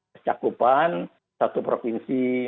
kecakupan satu provinsi